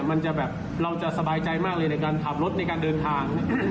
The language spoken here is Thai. มันจะแบบเราจะสบายใจมากเลยในการขับรถในการเดินทาง